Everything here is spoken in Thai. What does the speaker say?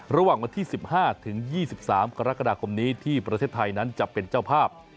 ระหว่างวันที่๑๕ถึง๒๓กรกฎาคมนี้ที่ประเทศไทยนั้นจะเป็นเจ้าภาพ